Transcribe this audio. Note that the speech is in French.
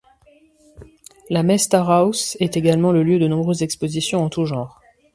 La Messe-Torhaus est également le lieu de nombreuses expositions en tout genre.